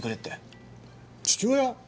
父親？